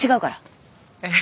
ええ？